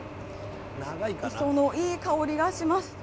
磯のいい香りがします。